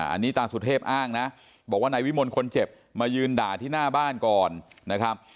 อันนี้ตาสุเทพอ้างนะบอกว่านายวิมลคนเจ็บมายืนด่าที่หน้าบ้านก่อนนะครับ